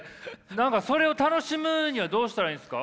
何かそれを楽しむにはどうしたらいいんですか？